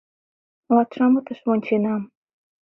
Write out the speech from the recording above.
Латшымытыш вонченам.